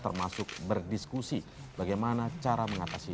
termasuk berdiskusi bagaimana cara mengatasi